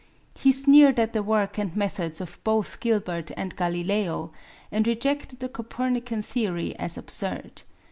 He sneered at the work and methods of both Gilbert and Galileo, and rejected the Copernican theory as absurd.